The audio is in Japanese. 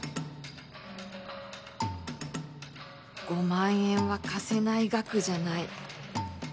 ５万円は貸せない額じゃない。